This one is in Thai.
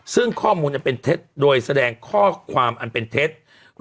ซึ่งข้อมูลอันเป็นเท็จโดยแสดงข้อความอันเป็นเท็จ